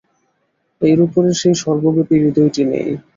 এর উপরে সেই সর্বব্যাপী হৃদয়টি নেই।